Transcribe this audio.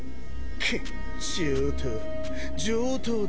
くっ上等上等だぜ。